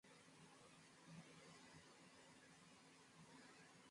na hali ilivyokuwa mwanzo ambapo wengi walishindwa kupatiwa haki ya kupiga kura